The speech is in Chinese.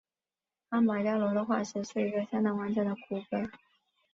阿马加龙的化石是一个相当完整的骨骼。